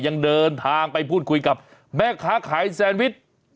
ยังเดินทางไปพูดคุยกับแม่ค้าขายแซนวิช